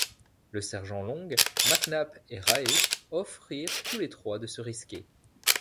Le sergent Long, Mac Nap et Rae offrirent tous les trois de se risquer.